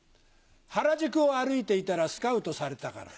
原宿を歩いていたらスカウトされたから。